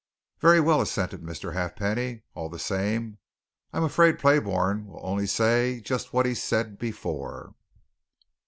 "Very well," assented Mr. Halfpenny. "All the same, I'm afraid Playbourne will only say just what he said before."